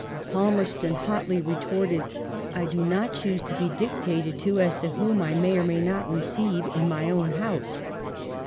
Palmerston hotly retorted :" I do not choose to be dictated to as to whom I may or may not receive in my own house